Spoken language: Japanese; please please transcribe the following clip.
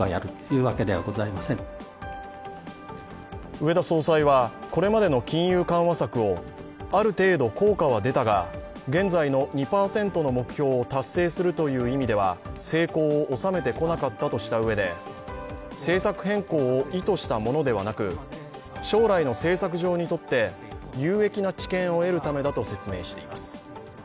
植田総裁は、これまでの金融緩和策をある程度効果は出たが現在の２％の目標を達成するという意味では成功を収めてこなかったとしたうえで政策変更を意図したものではなく、将来の政策上にとって有益な知見を得るためだと説明しています。